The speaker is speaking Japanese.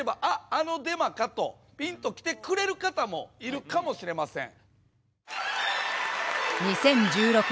あのデマかとピンと来てくれる方もいるかもしれません。